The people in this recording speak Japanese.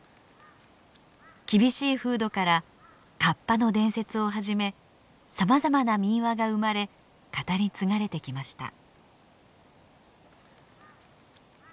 厳しい風土からカッパの伝説をはじめさまざまな民話が生まれ語り継がれてきました。